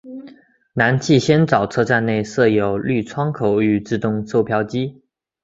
南气仙沼车站内设有绿窗口与自动售票机。